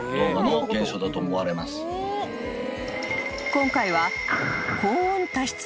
［今回は］